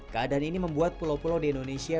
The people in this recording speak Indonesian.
keadaan ini membuat pulau pulau di indonesia